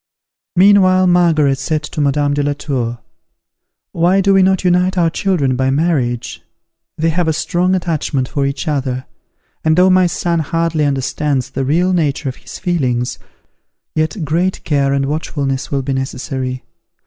Meanwhile Margaret said to Madame de la Tour, "Why do we not unite our children by marriage? They have a strong attachment for each other, and though my son hardly understands the real nature of his feelings, yet great care and watchfulness will be necessary.